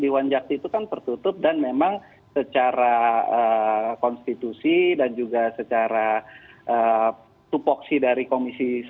wanjakti itu kan tertutup dan memang secara konstitusi dan juga secara tupoksi dari komisi satu